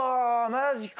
マジか。